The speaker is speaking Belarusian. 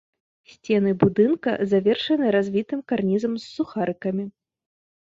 Сцены будынка завершаны развітым карнізам з сухарыкамі.